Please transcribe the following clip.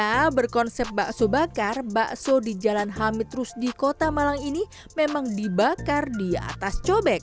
nah berkonsep bakso bakar bakso di jalan hamid rusdi kota malang ini memang dibakar di atas cobek